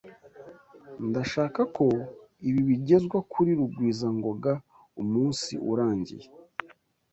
Ndashaka ko ibi bigezwa kuri Rugwizangoga umunsi urangiye.